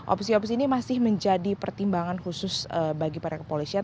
opsi opsi ini masih menjadi pertimbangan khusus bagi para kepolisian